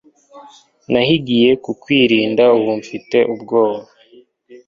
Nahigiye kukwirinda Ubu mfite ubwoba